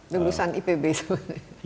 dengus ipb sebenarnya